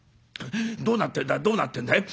どうなってんだどうなってんだい。